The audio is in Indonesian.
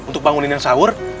untuk bangunin yang sahur